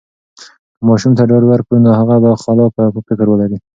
که ماشوم ته ډاډ ورکړو، نو هغه به خلاقه فکر ولري.